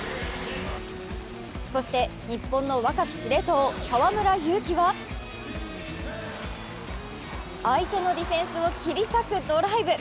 そして日本の若き司令塔河村勇輝は相手のディフェンスを切り裂くドライブ。